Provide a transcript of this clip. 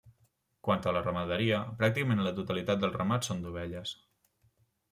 Quant a la ramaderia, pràcticament la totalitat dels ramats són d'ovelles.